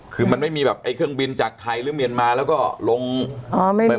คือมันไม่มีแบบไอ้เครื่องบินจากไทยหรือเมียนมาแล้วก็ลงอ๋อ